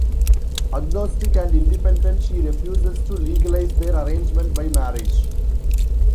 Agnostic and independent, she refuses to legalize their arrangement by marriage.